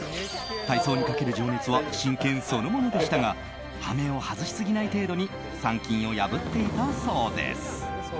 体操にかける情熱は真剣そのものでしたが羽目を外しすぎない程度に三禁を破っていたそうです。